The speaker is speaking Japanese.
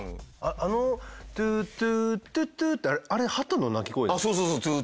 あのトゥートゥートゥトゥーってあれハトの鳴き声でしたっけ？